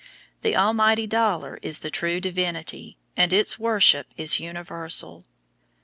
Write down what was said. The "almighty dollar" is the true divinity, and its worship is universal.